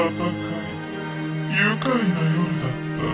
愉快な夜だった。